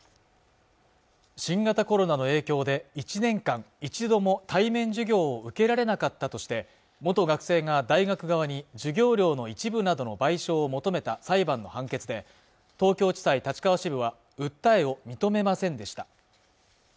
新型コロナの影響で１年間１度も対面授業を受けられなかったとして元学生が大学側に授業料の一部などの賠償を求めた裁判の判決で東京地裁立川支部は訴えを認めませんでした